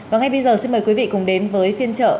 và ngay bây giờ xin mời quý vị cùng đến với phiên trợ